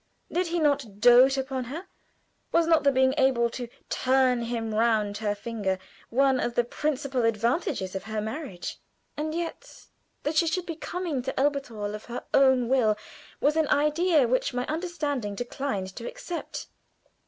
Did he not dote upon her? Was not the being able to "turn him round her finger" one of the principal advantages of her marriage? And yet, that she should be coming to Elberthal of her own will, was an idea which my understanding declined to accept.